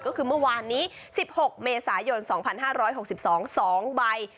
ก็คือเมื่อวานนี้๑๖เมษายน๒๕๖๒๒ใบ